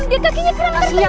dia kakinya keren